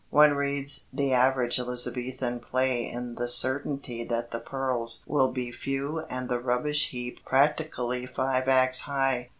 One reads the average Elizabethan play in the certainty that the pearls will be few and the rubbish heap practically five acts high.